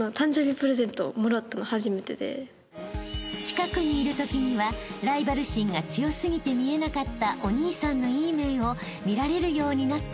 ［近くにいるときにはライバル心が強すぎて見えなかったお兄さんのいい面を見られるようになったのだとか］